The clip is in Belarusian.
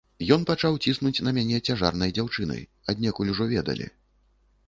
Ён пачаў ціснуць на мяне цяжарнай дзяўчынай, аднекуль ужо ведалі.